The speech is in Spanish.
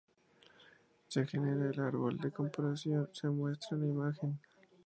Se genera el árbol de comparación se muestra en la imagen.